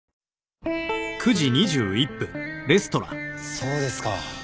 そうですか。